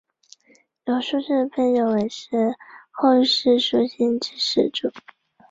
有苏氏被认为是后世苏姓之始祖。